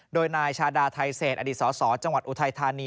โดยนายชาดาไทเศษอดีตสสจังหวัดอุทัยธานี